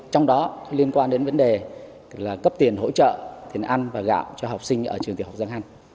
trong đó liên quan đến vấn đề là cấp tiền hỗ trợ tiền ăn và gạo cho học sinh ở trường tiểu học giang hăn